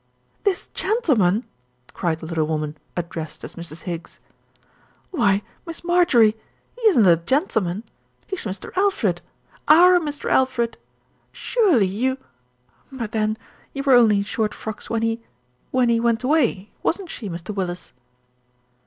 "This gentleman !" cried the little woman addressed as Mrs. Higgs. "Why, Miss Marjorie, he isn't a gen A QUESTION OF IDENTITY 35 tleman, he's Mr. Alfred, our Mr. Alfred. Surely you but then you were only in short frocks when he when he went away, wasn't she, Mr. Willis?"